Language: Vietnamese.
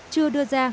chưa đưa ra thông báo